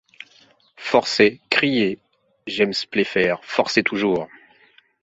Forcez ! criait James Playfair, forcez toujours !